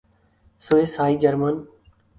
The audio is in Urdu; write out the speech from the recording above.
Swiss High German